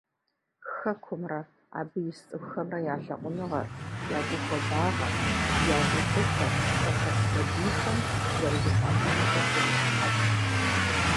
Хэкумрэ, абы ис цӏыхухэмрэ я лъагъуныгъэр, я гухуабагъэр, я гулъытэр хэхэс сабийхэм зэрызэхащӏамкӏэ срищыхьэтщ.